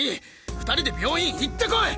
２人で病院行ってこい！